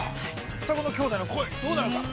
双子の兄弟の恋、どうなるか。